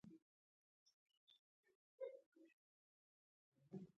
شاګردانو ته وویل شول چې له اجازې پرته به هېڅ کار نه کوي.